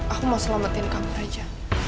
aku mau selamatin kamu aja